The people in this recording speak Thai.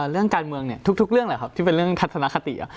เรื่องการเมืองเนี่ยทุกเรื่องแหละครับที่เป็นเรื่องทัศนคติ